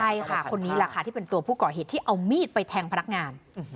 ใช่ค่ะคนนี้แหละค่ะที่เป็นตัวผู้ก่อเหตุที่เอามีดไปแทงพนักงาน